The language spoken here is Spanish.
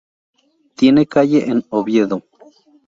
Tiene calle en Oviedo.